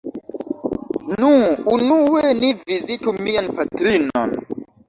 Nu, unue ni vizitu mian patrinon.